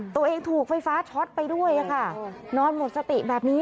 ตัวเองถูกไฟฟ้าช็อตไปด้วยค่ะนอนหมดสติแบบนี้